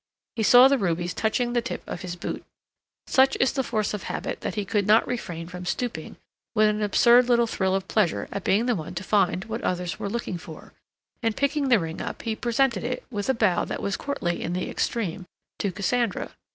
He saw the rubies touching the tip of his boot. Such is the force of habit that he could not refrain from stooping, with an absurd little thrill of pleasure at being the one to find what others were looking for, and, picking the ring up, he presented it, with a bow that was courtly in the extreme, to Cassandra.